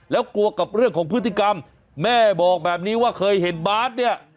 แล้วกลัวกับเรื่องของพฤติกรรมแม่บอกแบบนี้ว่าเคยเห็นบาทเนี่ย